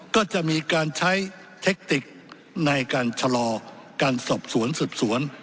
ก็จะมีการใช้เทคติกในการชะลอการสอบสวนสืบสวน